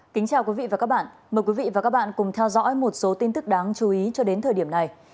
kính chào quý vị và các bạn mời quý vị và các bạn cùng theo dõi một số tin tức đáng chú ý cho đến thời điểm này